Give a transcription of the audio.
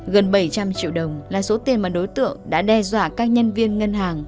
gần bảy trăm linh triệu đồng là số tiền mà đối tượng đã đe dọa các nhân viên ngân hàng